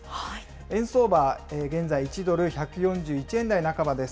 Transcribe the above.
円相場、現在１ドル１４１円台半